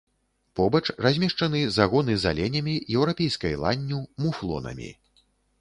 Побач размешчаны загоны з аленямі, еўрапейскай ланню, муфлонамі.